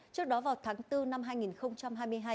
trước đó vào tháng bốn năm hai nghìn hai mươi hai